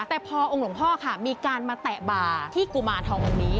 แต่พอองค์หลวงพ่อค่ะมีการมาแตะบ่าที่กุมารทององค์นี้